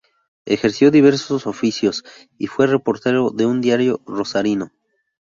Ejerció diversos oficios y fue reportero de un diario rosarino.